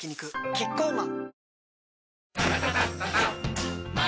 キッコーマン